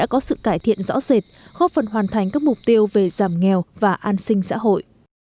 giải thiện rõ rệt góp phần hoàn thành các mục tiêu về giảm nghèo và an sinh xã hội